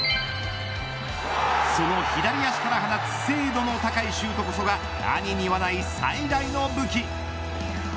その左足から放つ精度の高いシュートこそが兄にはない最大の武器。